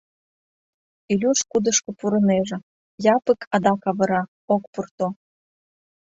Илюш кудышко пурынеже — Япык адак авыра, ок пурто.